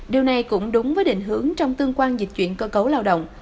điều này cũng đúng với định hướng trong tương quan dịch chuyển cơ cấu lao động